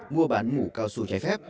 mua bán mũ cao su trái phép